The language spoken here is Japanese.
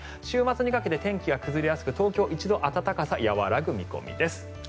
週末にかけて天気は崩れやすく東京、一度暖かさは和らぐ見込みです。